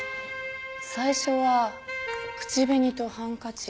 最初は口紅とハンカチ。